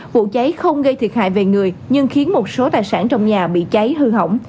vụ cháy không gây thiệt hại về người nhưng khiến một số tài sản trong nhà bị cháy hư hỏng